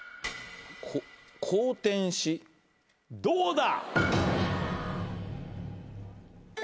どうだ？